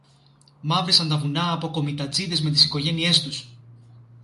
Μαύρισαν τα βουνά από κομιτατζήδες με τις οικογένειες τους